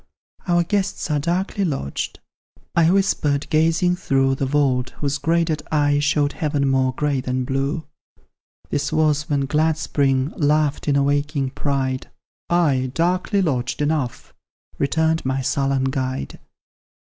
"Our guests are darkly lodged," I whisper'd, gazing through The vault, whose grated eye showed heaven more gray than blue; (This was when glad Spring laughed in awaking pride;) "Ay, darkly lodged enough!" returned my sullen guide.